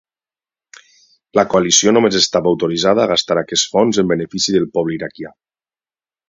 La Coalició només estava autoritzada a gastar aquests fons en benefici del poble iraquià.